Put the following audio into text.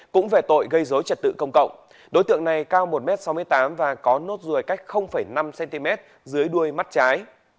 cũng về tội gây dối trật tự công cộng đối tượng này cao một m sáu mươi tám và có nốt ruồi cách năm cm dưới đuôi mắt trái